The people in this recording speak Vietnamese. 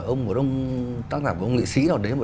ông tác giả của ông nghệ sĩ nào đến